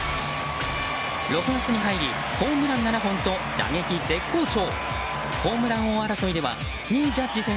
６月に入りホームラン７本と打撃絶好調！